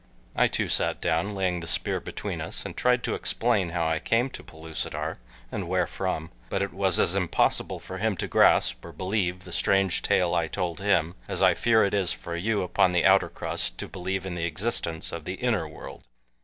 I too sat down, laying the spear between us, and tried to explain how I came to Pellucidar, and wherefrom, but it was as impossible for him to grasp or believe the strange tale I told him as I fear it is for you upon the outer crust to believe in the existence of the inner world.